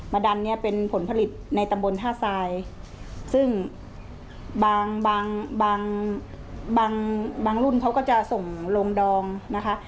ดันเนี่ยเป็นผลผลิตในตำบลท่าทรายซึ่งบางบางรุ่นเขาก็จะส่งลงดองนะคะ